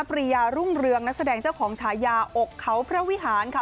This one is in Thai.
ปริยารุ่งเรืองนักแสดงเจ้าของฉายาอกเขาพระวิหารค่ะ